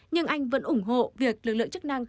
nhưng anh vẫn ủng hộ việc lực lượng chức năng